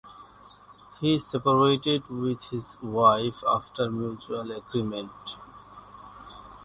He separated with his wife after mutual agreement.